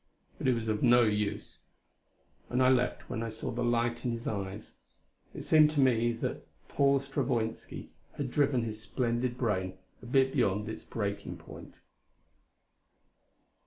But it was no use. And I left when I saw the light in his eyes. It seemed to me then that Paul Stravoinski had driven his splendid brain a bit beyond its breaking point.